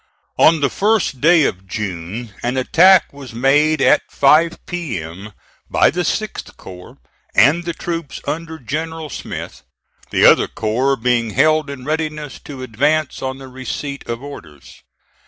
On the 1st day of June an attack was made at five P.M. by the 6th corps and the troops under General Smith, the other corps being held in readiness to advance on the receipt of orders.